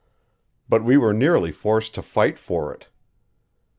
But we were nearly forced to fight for it.